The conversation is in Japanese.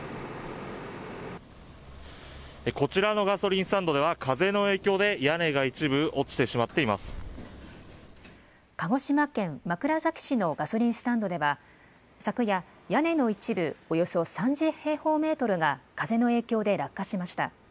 こちらのガソリンスタンドでは、風の影響で屋根が一部、落ち鹿児島県枕崎市のガソリンスタンドでは、昨夜、屋根の一部およそ３０平方メートルが風の影響で落下しました。